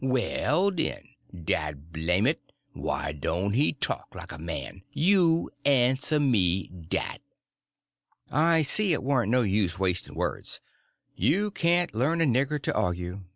"Well, den! Dad blame it, why doan' he talk like a man? You answer me dat!" I see it warn't no use wasting words—you can't learn a nigger to argue.